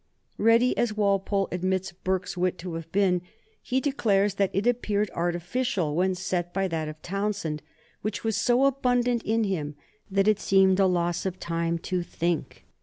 Ready as Walpole admits Burke's wit to have been, he declares that it appeared artificial when set by that of Townshend, which was so abundant in him that it seemed a loss of time to think.